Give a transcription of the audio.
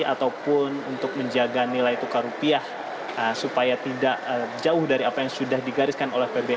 ataupun untuk menjaga nilai tukar rupiah supaya tidak jauh dari apa yang sudah diberikan